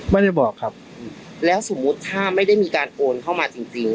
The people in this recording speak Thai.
ไม่ได้บอกครับแล้วสมมุติถ้าไม่ได้มีการโอนเข้ามาจริงจริง